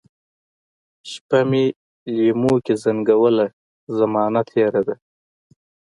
شپه مي لېموکې زنګوله ، زمانه تیره ده